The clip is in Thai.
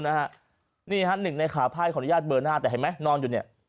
นี่ฮะหนึ่งในขาไพ่ขออนุญาตเบอร์หน้าแต่เห็นไหมนอนอยู่เนี่ย